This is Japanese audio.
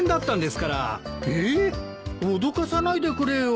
ええっ脅かさないでくれよ。